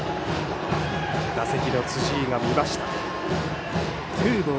打席の辻井が見ました。